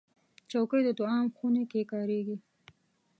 چوکۍ د طعام خونو کې کارېږي.